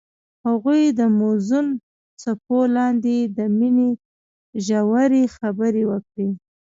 هغوی د موزون څپو لاندې د مینې ژورې خبرې وکړې.